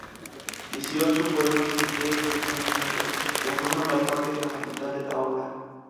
Dieciocho poemas enteros y un fragmento conforman la parte gramatical de la obra.